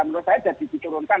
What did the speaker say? menurut saya jadi dicurunkan